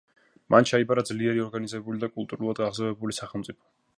მან ჩაიბარა ძლიერი, ორგანიზებული და კულტურულად აღზევებული სახელმწიფო.